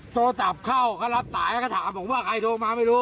โทรศัพท์เข้าเขารับสายแล้วก็ถามผมว่าใครโทรมาไม่รู้